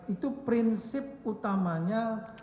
itu prinsip utamanya